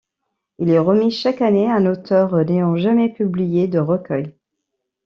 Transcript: Il est remis chaque année à un auteur n'ayant jamais publié de recueil.